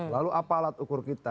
lalu apa alat ukur kita